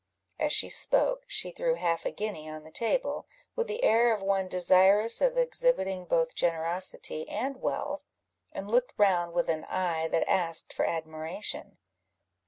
As she spoke she threw half a guinea on the table, with the air of one desirous of exhibiting both generosity and wealth, and looked round with an eye that asked for admiration.